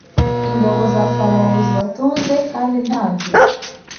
ingabo za Farawo zibatuze Kandi nta nzira